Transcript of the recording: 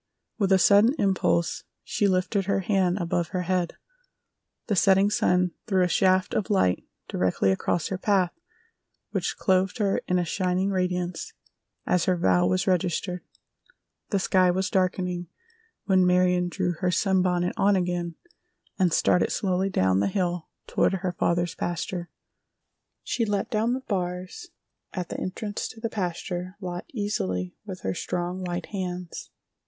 With a sudden impulse she lifted her hand above her head. The setting sun threw a shaft of light directly across her path which clothed her in a shining radiance as her vow was registered. The sky was darkening when Marion drew her sunbonnet on again and started slowly down the hill toward her father's pasture. She let down the bars at the entrance to the pasture lot easily with her strong, white hands.